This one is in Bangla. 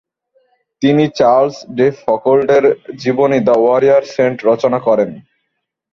তিনি চার্লস ডে ফকোল্ডের জীবনী দ্য ওয়ারিয়র সেন্ট রচনা করেন।